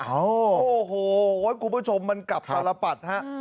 โอ้โหคุณผู้ชมมันกลับตลปัดฮะ